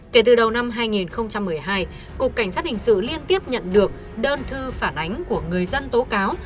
kể từ đầu năm hai nghìn một mươi hai cục cảnh sát hình sự liên tiếp nhận được đơn thư phản ánh của người dân tố cáo